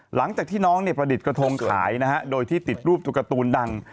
หลังจากที่น้องประดิษฐ์กระทงขายนะฮะโดยที่ติดรูปตัวการ์ตูนดัง